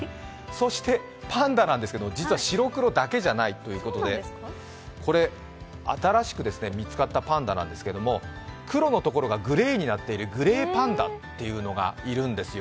パンダは実は白黒だけじゃないということで、新しく見つかったパンダですが黒のところがグレーになっているグレーパンダっていうのがいるんですよ。